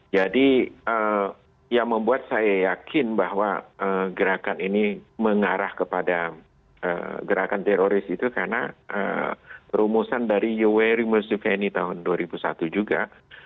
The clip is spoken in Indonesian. yang membuat saya yakin bahwa gerakan ini mengarah kepada gerakan teroris itu karena rumusan dari yoweringi tahun dua ribu satu juga